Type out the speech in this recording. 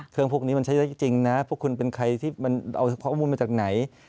พวกนี้มันใช้เยอะจริงนะพวกคุณเป็นใครที่มันเอาข้อมูลมาจากไหน